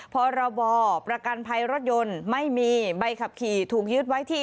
พรบประกันภัยรถยนต์ไม่มีใบขับขี่ถูกยึดไว้ที่